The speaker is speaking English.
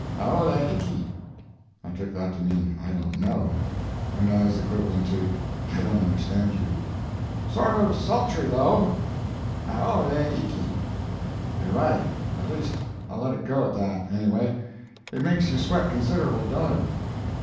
"Aole iki." [I took that to mean "I don't know," and as equivalent to "I don't understand you."] "Sorter sultry, though." "Aole iki." "You're right—at least I'll let it go at that, anyway. It makes you sweat considerable, don't it?"